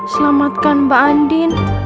selamatkan mbak andin